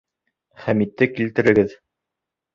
Хәмитте килтерегеҙ!